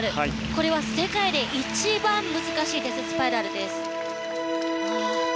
これは世界で一番難しいデススパイラルです。